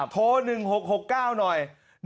โทร๑๖๖๙หน่อย